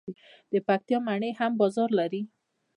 د پکتیا مڼې هم بازار لري.